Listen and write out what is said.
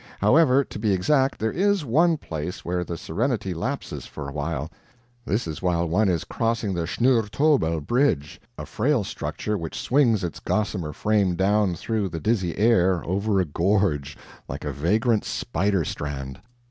However to be exact there is one place where the serenity lapses for a while; this is while one is crossing the Schnurrtobel Bridge, a frail structure which swings its gossamer frame down through the dizzy air, over a gorge, like a vagrant spider strand.